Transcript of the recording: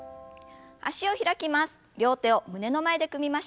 脚を開きます。